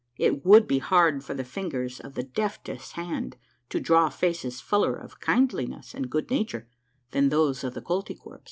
It would be hard for the fingers of the deftest hand to draw faces fuller of kindliness and good nature than those of the Koltykwerps.